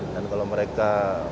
dan kalau mereka